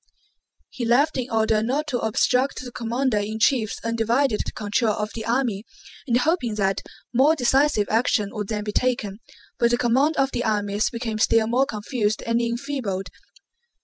He left in order not to obstruct the commander in chief's undivided control of the army, and hoping that more decisive action would then be taken, but the command of the armies became still more confused and enfeebled.